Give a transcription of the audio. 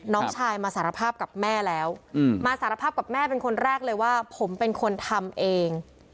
น้องชายมาสารภาพกับแม่แล้วมาสารภาพกับแม่เป็นคนแรกเลยว่าผมเป็นคนทำเอง